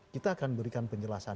kita akan berikan penjelasan